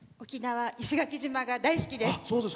石垣島が大好きです。